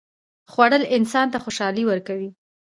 خوړل انسان ته خوشالي ورکوي